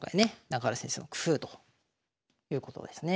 中原先生の工夫ということですね。